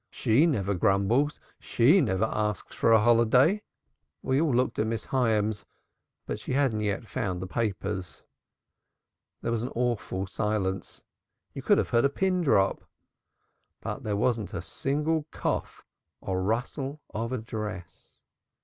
'She never grumbles, she never asks for a holiday!' We all looked again at Miss Hyams, but she hadn't yet found the papers. There was an awful silence; you could have heard a pin drop. There wasn't a single cough or rustle of a dress.